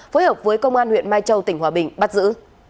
phối hợp với công an huyện mai châu tỉnh hòa bình bắt giữ